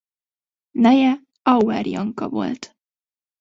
Neje Auer Janka volt.